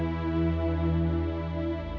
oka dapat mengerti